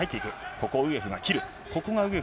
ここをウグエフが切る。